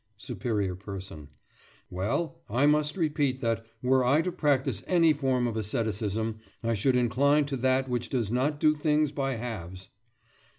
SUPERIOR PERSON: Well, I must repeat that, were I to practise any form of asceticism, I should incline to that which does not do things by halves.